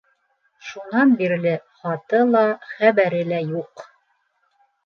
Шунан бирле хаты ла, хәбәре лә юҡ.